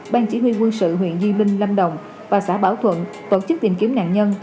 bang chỉ huy quân sự huyện nhi linh lam đồng và xã bảo thuận tổ chức tìm kiếm nạn nhân